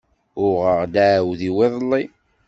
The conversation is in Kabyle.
Uɣeɣ-d aɛudiw iḍelli.